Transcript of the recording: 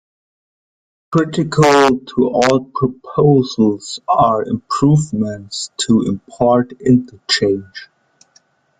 Critical to all proposals are improvements to transport interchange.